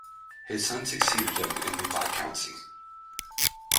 His son succeeded him in the viscountcy.